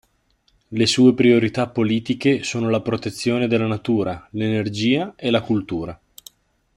Le sue priorità politiche sono la protezione della natura, l'energia e la cultura.